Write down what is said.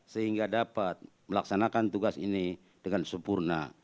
sehingga dapat melaksanakan tugas ini dengan sempurna